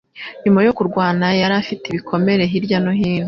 Nyuma yo kurwana yari afite ibikomere hirya no hino